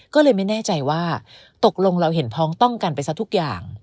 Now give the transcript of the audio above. ก็เลยไม่แน่ใจว่าตกลงเราเห็นพ้องต้องกันไปซะทุกอย่าง